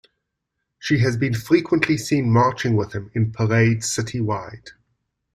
She has been frequently seen marching with him in parades citywide.